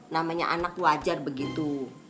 namanya anak wajar begitu